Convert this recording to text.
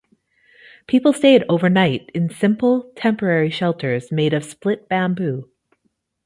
People stayed overnight in simple, temporary shelters made of split bamboo.